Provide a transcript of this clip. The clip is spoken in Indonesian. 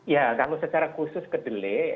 ya kalau secara khusus kedelai